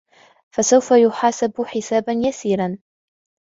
فسوف يحاسب حسابا يسيرا